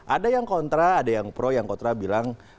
ada yang kontra ada yang pro yang kontra bilang